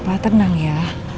pak tenang ya